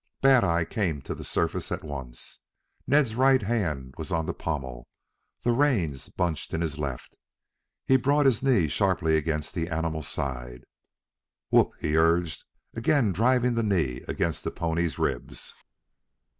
Bad eye came to the surface at once. Ned's right hand was on the pommel, the reins bunched in his left. He brought his knee sharply against the animal's side. "Whoop!" he urged, again driving the knee against the pony's ribs.